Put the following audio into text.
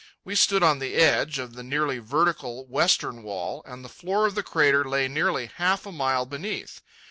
We stood on the edge of the nearly vertical western wall, and the floor of the crater lay nearly half a mile beneath.